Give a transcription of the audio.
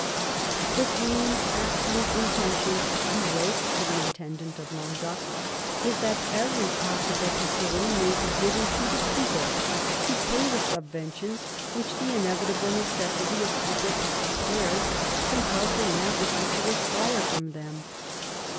" The queen's absolute intention," he wrote to the intendant of Languedoc, " is that every possible facility may be given to the people to pay the subventions which the inevitable necessity of public aflFairs compels Her Majesty to require from them."